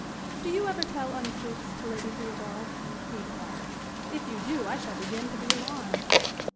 "Do you ever tell untruths to Lady Theobald?" he inquired. "If you do, I shall begin to be alarmed."